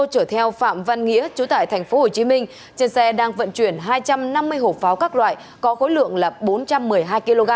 chở theo phạm văn nghĩa chú tại tp hcm trên xe đang vận chuyển hai trăm năm mươi hộp pháo các loại có khối lượng là bốn trăm một mươi hai kg